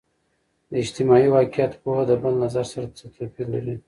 د اجتماعي واقعیت پوهه د بل نظر سره څه توپیر لري؟